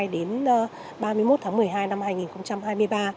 đến ba mươi một tháng một mươi hai năm hai nghìn hai mươi ba